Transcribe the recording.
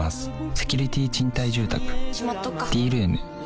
セキュリティ賃貸住宅「Ｄ−ｒｏｏｍ」しまっとくか。